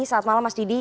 selamat malam mas didi